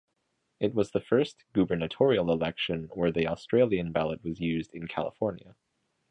It was the first gubernatorial election where the Australian ballot was used in California.